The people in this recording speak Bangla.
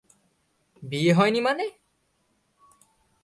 বিয়ে হয়নি মানে?